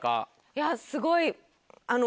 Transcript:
いやすごいあの。